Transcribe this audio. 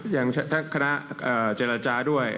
อย่างคณะจรรจาด้วย